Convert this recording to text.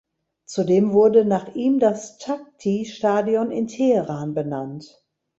Zudem wurde nach ihm das Takhti-Stadion in Teheran benannt.